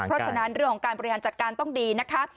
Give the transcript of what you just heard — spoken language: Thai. เพราะฉะนั้นเรื่องของการบริหารจัดการต้องดีนะคะ